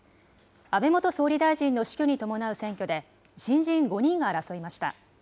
安倍元総理大臣の死去に伴う選挙で、新人５人が争いました。